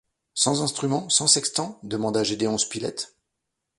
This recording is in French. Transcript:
Sans instruments, sans sextant ? demanda Gédéon Spilett